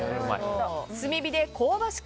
炭火で香ばしく